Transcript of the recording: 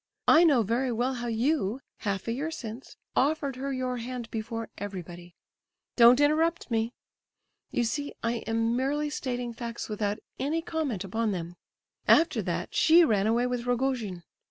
I know very well how you—half a year since—offered her your hand before everybody. Don't interrupt me. You see, I am merely stating facts without any comment upon them. After that she ran away with Rogojin.